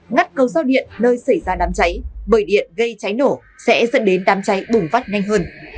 ngắt cầu giao điện nơi xảy ra đám cháy bởi điện gây cháy nổ sẽ dẫn đến đám cháy bùng phát nhanh hơn